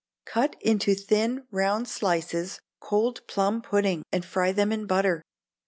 Cut into thin round slices cold plum pudding, and fry them in butter.